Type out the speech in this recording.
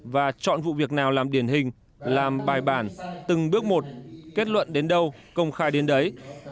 và chọn vụ việc nào làm điển hình làm bài bản từng bước một kết luận đến đâu công khai đến đấy